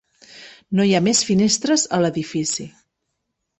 No hi ha més finestres a l'edifici.